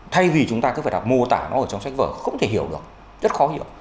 thay vì chúng ta cứ phải là mô tả nó ở trong sách vở không thể hiểu được rất khó hiểu